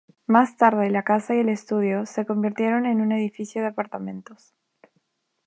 Más tarde, la casa y el estudio se convirtieron en un edificio de apartamentos.